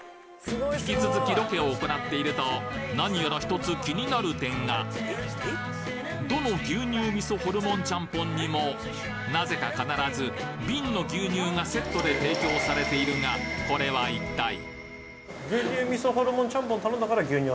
引き続き何やらひとつ気になる点がどの牛乳味噌ホルモンチャンポンにもなぜか必ず瓶の牛乳がセットで提供されているがこれはいったい？